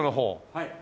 はい。